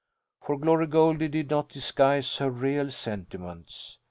For Glory Goldie did not disguise her real sentiments.